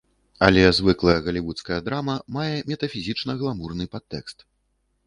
Але звыклая галівудская драма мае метафізічна-гламурны падтэкст.